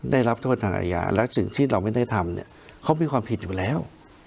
ได้รับโทษทางอาญาและสิ่งที่เราไม่ได้ทำเนี่ยเขามีความผิดอยู่แล้ว